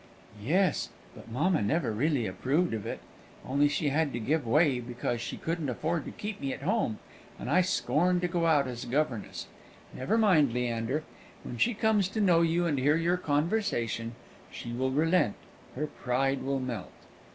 "Yes, but mamma never really approved of it; only she had to give way because she couldn't afford to keep me at home, and I scorned to go out as a governess. Never mind, Leander; when she comes to know you and hear your conversation, she will relent; her pride will melt."